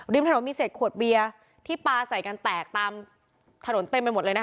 ริมถนนมีเศษขวดเบียร์ที่ปลาใส่กันแตกตามถนนเต็มไปหมดเลยนะคะ